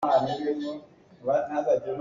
A nunchung kum sawmriat a si.